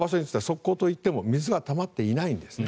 側溝といっても水はたまっていないんです。